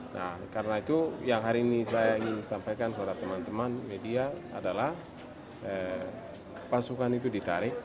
nah karena itu yang hari ini saya ingin sampaikan kepada teman teman media adalah pasukan itu ditarik